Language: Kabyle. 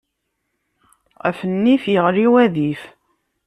Ɣef nnif, yeɣli wadif.